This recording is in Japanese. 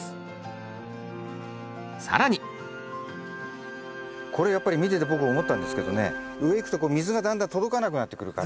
更にこれやっぱり見てて僕思ったんですけどね上いくと水がだんだん届かなくなってくるから。